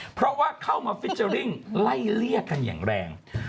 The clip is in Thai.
เพราะว่าเข้ามาไล่เลี่ยกันอย่างแรง